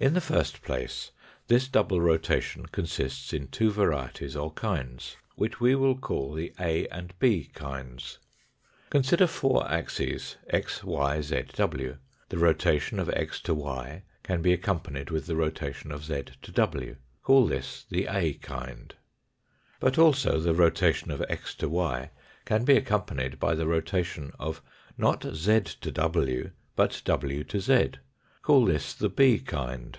In the first place this double rotation consists in two varieties or kinds, which we will call the A and B kinds. Consider four axes, x, y, z, iv. The rotation of x to y can be accompanied with the rotation of z to iv. Call this the A kind. But also the rotation of x to y can be accompanied by the rotation, of not z to w, but w to z. Call this the B kind.